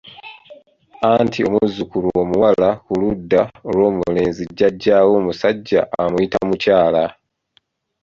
Anti omuzzukulu omuwala ku ludda lw’omulenzi jjajjaawe omusajja amuyita mukyala.